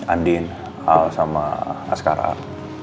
andin al sama askarak